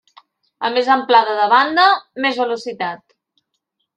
A més amplada de banda, més velocitat.